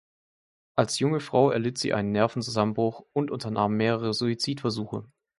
Als junge Frau erlitt sie einen Nervenzusammenbruch und unternahm mehrere Suizidversuche.